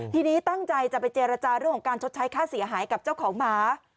ทีนี้ตั้งใจจะไปเจรจาเรื่องของการชดใช้ค่าเสียหายกับเจ้าของหมา